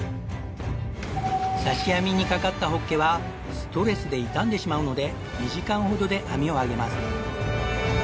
刺し網にかかったホッケはストレスで傷んでしまうので２時間ほどで網を上げます。